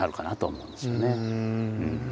うん。